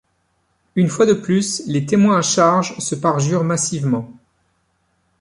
Une fois de plus, les témoins à charge se parjurent massivement.